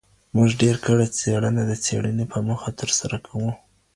موږ ډېر کله څېړنه د څېړني په موخه نه ترسره کوو.